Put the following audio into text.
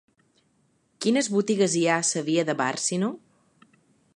Quines botigues hi ha a la via de Bàrcino?